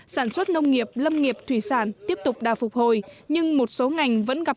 sản xuất nông nghiệp lâm nghiệp thủy sản tiếp tục đà phục hồi nhưng một số ngành vẫn gặp